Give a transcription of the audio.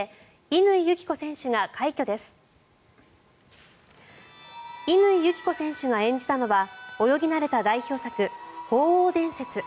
乾友紀子選手が演じたのは泳ぎ慣れた代表作「鳳凰伝説」。